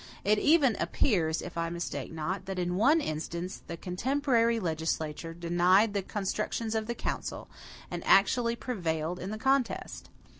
It even appears, if I mistake not, that in one instance the contemporary legislature denied the constructions of the council, and actually prevailed in the contest.